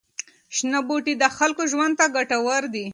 شنه بوټي د خلکو ژوند ته ګټور دي.